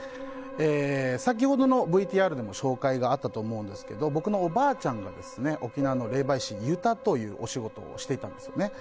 先ほどのＶＴＲでも紹介があったと思うんですが僕のおばあちゃんが沖縄の霊媒師、ユタというお仕事をしていたんですね。